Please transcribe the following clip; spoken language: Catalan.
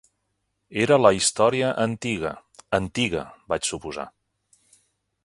Era la història antiga, antiga, vaig suposar.